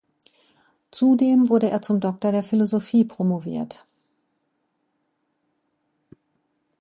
Zudem wurde er zum Doktor der Philosophie promoviert.